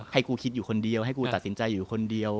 ให้กูคิดอยู่คนเดียวให้กูตัดสินใจอยู่คนเดียว